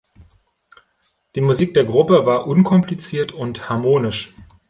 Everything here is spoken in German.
Die Musik der Gruppe war unkompliziert und harmonisch.